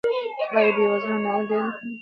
آیا بېوزلان ناول ډېر مخونه لري؟